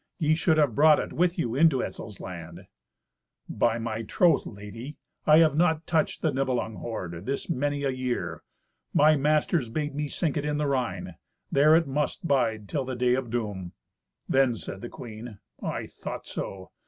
Ye should have brought it with you into Etzel's land." "By my troth, lady, I have not touched the Nibelung hoard this many a year. My masters bade me sink it in the Rhine. There it must bide till the day of doom." Then said the queen, "I thought so.